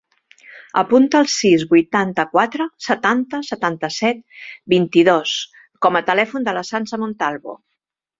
Apunta el sis, vuitanta-quatre, setanta, setanta-set, vint-i-dos com a telèfon de la Sança Montalvo.